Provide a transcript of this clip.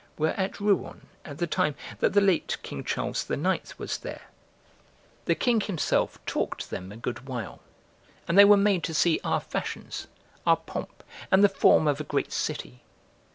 were at Rouen at the time that the late King Charles IX. was there. The king himself talked to them a good while, and they were made to see our fashions, our pomp, and the form of a great city.